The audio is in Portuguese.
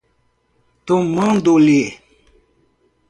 tomando-lhe